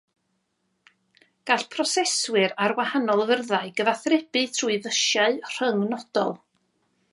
Gall proseswyr ar wahanol fyrddau gyfathrebu trwy fysiau rhyng-nodol.